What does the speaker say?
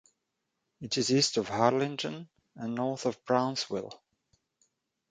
It is east of Harlingen and north of Brownsville.